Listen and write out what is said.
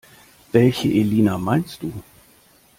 Welche Elina meinst du?